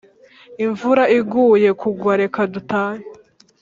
Imvura iguye kugwa reka dutahe